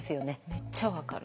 めっちゃ分かる。